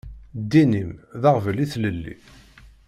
Ddin-im d aɣbel i tlelli.